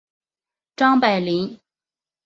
张百麟。